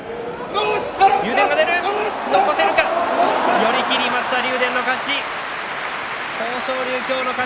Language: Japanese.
寄り切りました竜電の勝ち。